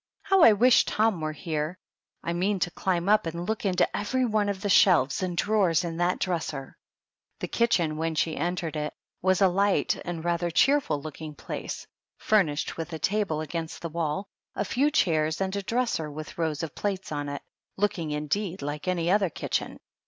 How I wish Tom were here! I mean to climb up and }ook into every one of the shelves and drawers in that dresser." The kitchen, when she entered it, was a light and rather cheerful looking place, furnished with a table against the wall, a few chairs, and a dresser with rows of plates on it, looking, in deed, like any other kitchen.